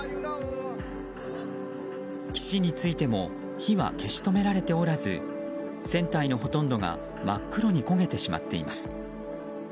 岸に着いても火は消し止められておらず船体のほとんどが真っ黒に焦げてしまっています。